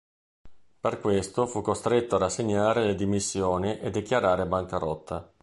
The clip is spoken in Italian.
Per questo fu costretto a rassegnare le dimissioni e dichiarare bancarotta.